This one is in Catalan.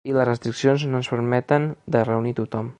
I les restriccions no ens permeten de reunir tothom.